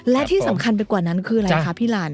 และที่สำคัญไปกว่านั้นคืออะไรคะพี่หลาน